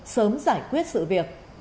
sớm giải quyết sự việc